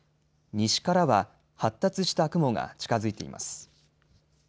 西からは発達した雲が近づいています。